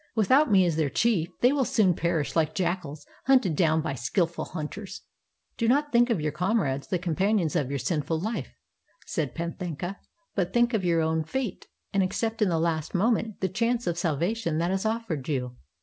Without me as their chief they will soon perish like jackals hunted doun by skillful hunters." "Do not think of your comrades, the companions of your sinful Ufe," said Panthaka, "but think of your own fate, and accept in the last moment the chance of sal vation that is offered you.